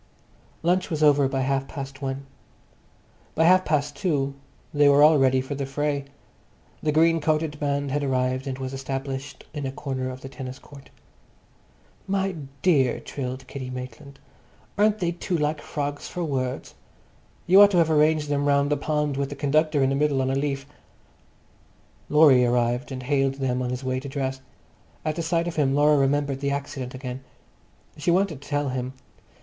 Lunch was over by half past one. By half past two they were all ready for the fray. The green coated band had arrived and was established in a corner of the tennis court. "My dear!" trilled Kitty Maitland, "aren't they too like frogs for words? You ought to have arranged them round the pond with the conductor in the middle on a leaf." Laurie arrived and hailed them on his way to dress. At the sight of him Laura remembered the accident again. She wanted to tell him.